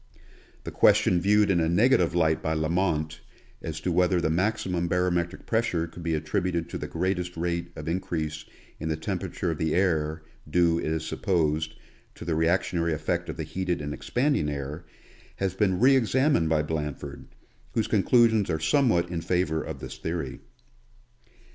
The question viewed in a negative light by Lament, as to whether the maximum barometric pressure could be attributed to the greatest rate of increase in the temperature of the air, due, it is supposed, to the reactionary effect of the heated and expanding air, has been re examined by Blanford, whose conclusions are somewhat in favor of this theory.